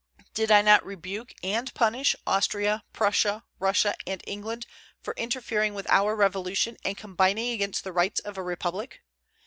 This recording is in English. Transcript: Did I not rebuke and punish Austria, Prussia, Russia, and England for interfering with our Revolution and combining against the rights of a republic?